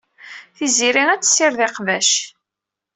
Tiziri ad tessired iqbac.